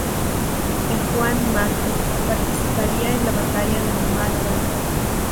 El "Juan Marco" participaría en la batalla de Málaga.